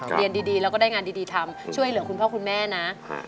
เรียนดีแล้วก็ได้งานดีทำช่วยเหลือคุณพ่อคุณแม่นะ